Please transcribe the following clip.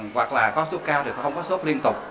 hoặc là có sốt cao thì không có sốt liên tục